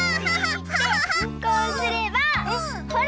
こうすればほら！